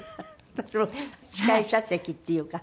私も司会者席っていうか